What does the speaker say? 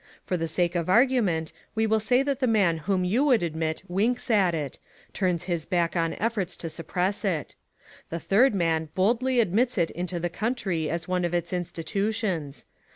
For the sake of argument, we will say that the man whom you would admit winks at it — turns his back on efforts to suppress it. The third man boldly admits it into the country as one of its institutions.